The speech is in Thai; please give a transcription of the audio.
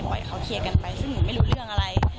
ให้เขาเคลียร์กันไปซึ่งหนูไม่รู้เรื่องอะไร